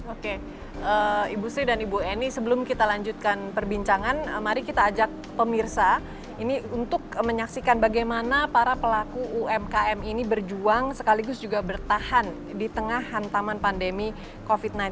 oke ibu sri dan ibu eni sebelum kita lanjutkan perbincangan mari kita ajak pemirsa ini untuk menyaksikan bagaimana para pelaku umkm ini berjuang sekaligus juga bertahan di tengah hantaman pandemi covid sembilan belas